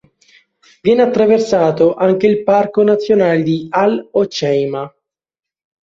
Viene attraversato anche il parco nazionale di Al Hoceima.